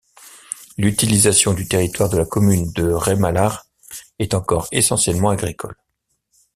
L'utilisation du territoire de la commune de Rémalard est encore essentiellement agricole.